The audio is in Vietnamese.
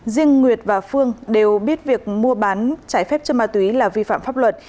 riêng nguyệt và phương đều biết việc mua bán trái phép chân ma túy là vi phạm pháp luật